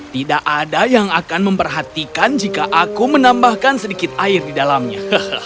tidak ada yang akan memperhatikan jika aku menambahkan sedikit air di dalamnya